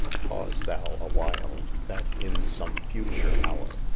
Pause thou awhile, that, in some future hour.